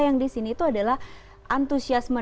yang disini tuh adalah antusiasme